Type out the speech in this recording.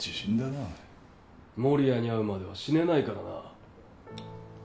守谷に会うまでは死ねないからな。